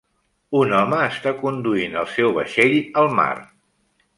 Un home està conduint el seu vaixell al mar.